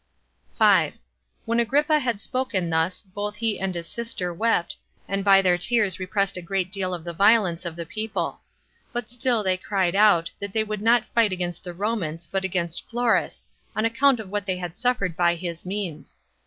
5. When Agrippa had spoken thus, both he and his sister wept, and by their tears repressed a great deal of the violence of the people; but still they cried out, that they would not fight against the Romans, but against Florus, on account of what they had suffered by his means.